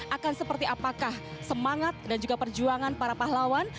akan seperti apakah semangat dan juga perjuangan para pahlawan